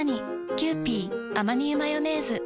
「キユーピーアマニ油マヨネーズ」